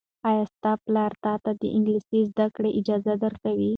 ایا ستا پلار تاته د انګلیسي زده کړې اجازه درکوي؟